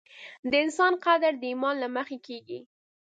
د انسان قدر د ایمان له مخې کېږي.